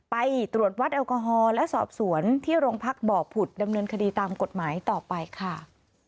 ไปตรวจวัดแอลกอฮอล์และสอบสวนที่โรงพักบ่อผุดดำเนินคดีตามกฎหมายต่อไปค่ะ